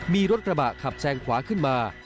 มีรถกระบะขับแซงขวาขึ้นมา